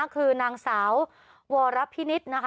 คือนางสาววารพินิช